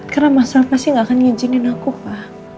karena mas raffa sih gak akan nginjinin aku pak